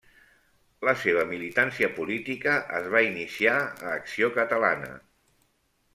La seva militància política es va iniciar a Acció Catalana.